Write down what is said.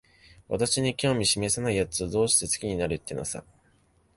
私に興味しめさないやつを、どうして好きになるってのさ。